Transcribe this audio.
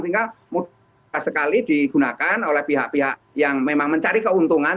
sehingga mudah sekali digunakan oleh pihak pihak yang memang mencari keuntungan